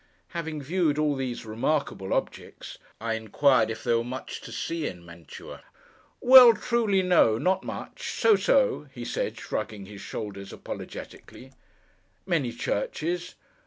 Having viewed all these remarkable objects, I inquired if there were much to see in Mantua. 'Well! Truly, no. Not much! So, so,' he said, shrugging his shoulders apologetically. 'Many churches?